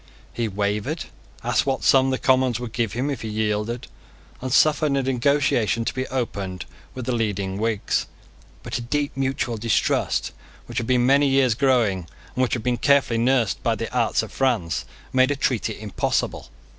He wavered, asked what sum the Commons would give him if he yielded, and suffered a negotiation to be opened with the leading Whigs. But a deep mutual distrust which had been many years growing, and which had been carefully nursed by the arts of France, made a treaty impossible.